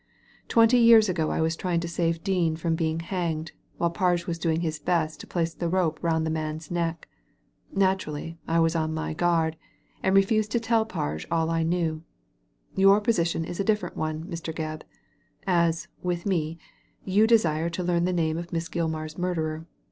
Twenty years ago I was trying to save Dean from being hanged, while Pai^e was doing his best to place the rope round the man's neck. Naturally, I was on my guard, and refused to tell Pai^e all I knew. Your position is a different one, Mr. Gebb ; as, with me, you desire to learn the name of Miss Gilmar's murderer.